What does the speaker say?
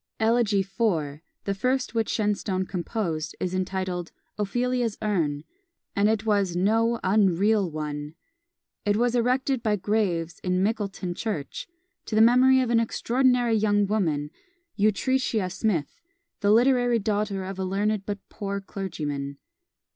Elegy IV., the first which Shenstone composed, is entitled "Ophelia's Urn," and it was no unreal one! It was erected by Graves in Mickleton Church, to the memory of an extraordinary young woman, Utrecia Smith, the literary daughter of a learned but poor clergyman.